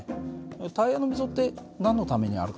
タイヤの溝って何のためにあるか知ってる？